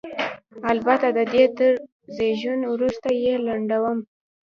البته د دې تر زېږون وروسته یې لنډوم.